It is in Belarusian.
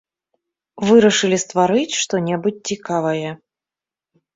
Вырашылі стварыць што-небудзь цікавае.